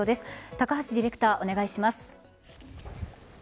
高橋ディレクター、お願いします。